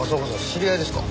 知り合いですか？